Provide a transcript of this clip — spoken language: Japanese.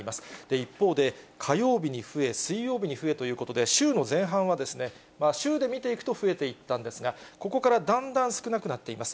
一方で、火曜日に増え、水曜日に増えということで、週の前半はですね、週で見ていくと増えていったんですが、ここからだんだん少なくなっています。